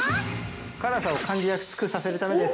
◆辛さを感じやすくさせるためです。